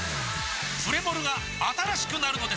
プレモルが新しくなるのです！